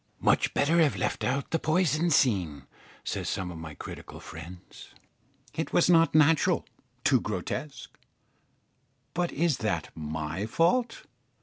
Much better have left out the poison scene, say some of my critical friends. It was not natural too grotesque; but is that my fault?